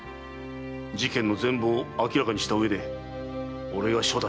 事件の全貌を明らかにしたうえで俺が処断いたす。